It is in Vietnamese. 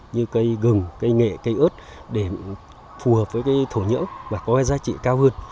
như cây gừng cây nghệ cây ớt để phù hợp với cái thổ nhỡ và có cái giá trị cao hơn